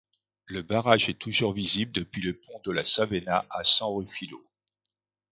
Le barrage est toujours visible depuis le pont de la Savena à San Ruffillo.